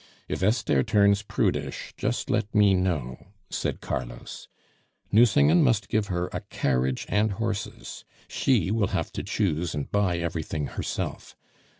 "If Esther turns prudish, just let me know," said Carlos. "Nucingen must give her a carriage and horses; she will have to choose and buy everything herself.